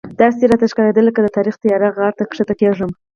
داسې راته ښکارېدل لکه د تاریخ تیاره غار ته ښکته کېږم.